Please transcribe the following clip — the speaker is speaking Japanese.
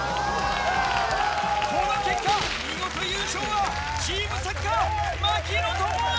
この結果見事優勝はチームサッカー槙野智章！